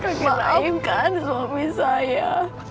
kau kenainkan suami saya